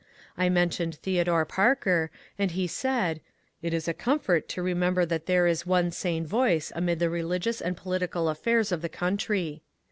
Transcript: I mentioned Theodore Parker, and he said, ^^ It is a comfort to remember that there is one sane voice amid the religious and political affairs of the country."